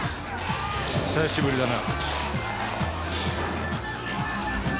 久しぶりだな。